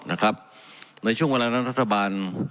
ในช่วงประเทศบ้าน